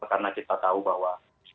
karena kita tahu bahwa